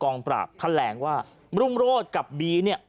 กองปราบแแตดแหลงว่าบรุ้งโรดกับดีเนี่ย